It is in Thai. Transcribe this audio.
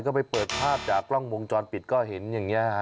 ก็ไปเปิดภาพจากกล้องวงจรปิดก็เห็นอย่างนี้ฮะ